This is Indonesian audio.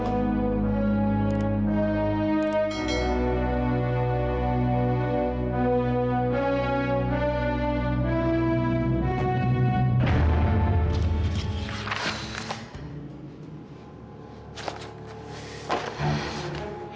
apa hal ini berarti